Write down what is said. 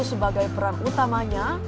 sebagai peran utamanya